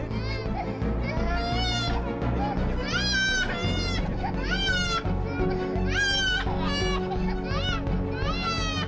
bagaimana kamu olom